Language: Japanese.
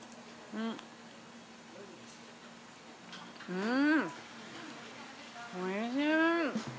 うーん、おいしい。